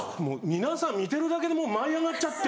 皆さん見てるだけでもう舞い上がっちゃって。